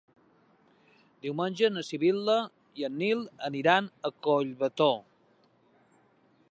Diumenge na Sibil·la i en Nil aniran a Collbató.